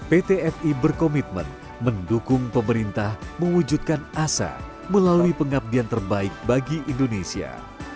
pt fi berkomitmen mendukung pemerintah mewujudkan asa melalui pengabdian terbaik bagi indonesia